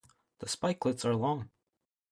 The spikelets are long.